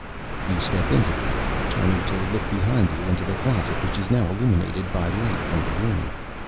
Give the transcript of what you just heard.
You step into the room, turning to look behind you into the closet, which is now illuminated by light from the room.